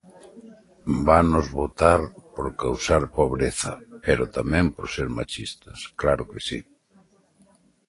Vanos botar por causar pobreza, pero tamén por ser machistas, ¡claro que si!